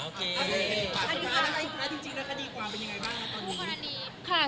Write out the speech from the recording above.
แล้วก็ดีกว่าเป็นอย่างไรบ้าง